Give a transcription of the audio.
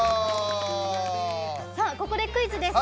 ここでクイズです。